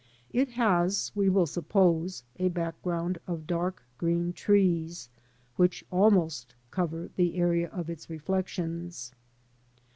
It has, we will suppose, a background of dark green trees, which almost cover the area of its reflections.